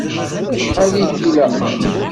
Acḥal i k-ilaqen?